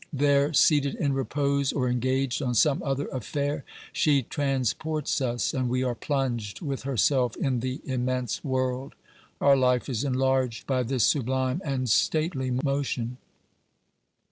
There, seated in repose or engaged on some other affair, she transports us and we are plunged with herself in the immense world ; our life is enlarged by this sublime and stately motion.